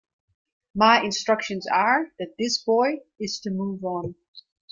My instructions are that this boy is to move on.